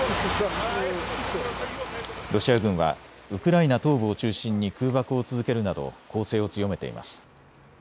ロシア軍はウクライナ東部を中心に空爆を続けるなど攻勢を強めています。